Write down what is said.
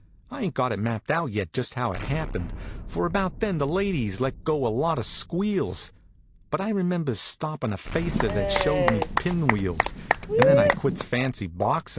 I ain't got it mapped out yet just how it happened; for about then the ladies let go a lot of squeals; but I remembers stoppin' a facer that showed me pin wheels, an' then I quits fancy boxin'.